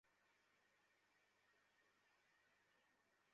পাওয়ার বাম্পই দরকার।